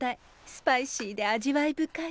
スパイシーで味わい深い。